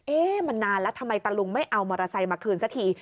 มันนานแล้วทำไมตะลุงไม่เอามอเตอร์ไซค์มาคืนสักที